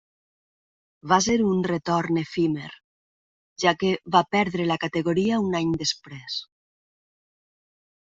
Va ser un retorn efímer, ja que va perdre la categoria un any després.